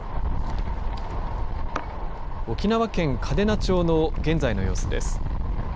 沖縄県、嘉手納町の現在の様子です。